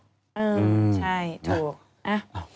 อืมใช่ถูก